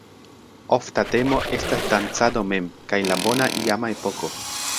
Ofta temo estas dancado mem, kaj la "bona iama epoko".